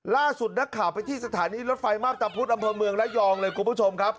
ล่าสุดนักข่าวไปที่สถานีรถไฟมาพตะพุธอำเภอเมืองระยองเลยคุณผู้ชมครับ